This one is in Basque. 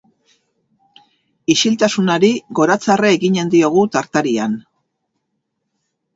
Isiltasunari goratzarre eginen diogu tartarian.